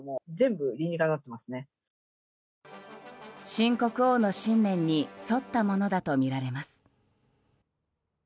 新国王の信念に沿ったものだとみられます。